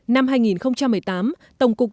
năm hai nghìn một mươi tám tổng cục lê văn nguyên